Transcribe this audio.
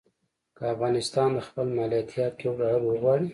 که افغانستان د خپل مالیاتي حق یو ډالر وغواړي.